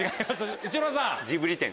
内村さん。